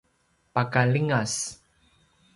paka ljingas